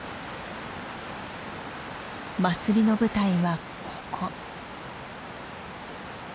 祭りの舞台はここ。